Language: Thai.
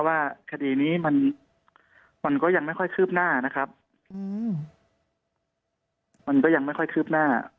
ว่าคดีนี้มันมันก็ยังไม่ค่อยคืบหน้านะครับมันก็ยังไม่ค่อยคืบหน้า